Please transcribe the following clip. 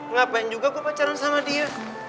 ngapain juga gue pacaran sama dia